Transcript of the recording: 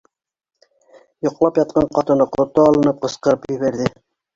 - Йоҡлап ятҡан ҡатыны ҡото алынып ҡысҡырып ебәрҙе.